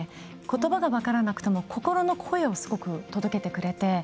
ことばが分からなくても心の声をすごく届けてくれて。